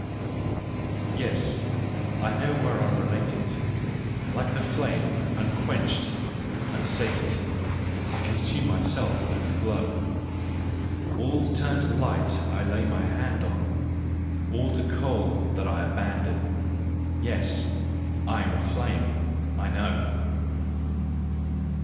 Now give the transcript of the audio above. Yes, I know where I'm related, Like the flame, unquenched, unsated, I consume myself and glow: All's turned to light I lay my hand on, All to coal that I abandon, Yes, I am a flame, I know!